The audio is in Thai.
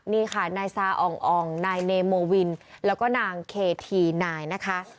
นายซาององนายเนโมวินแล้วก็นางเคธีนายนะคะ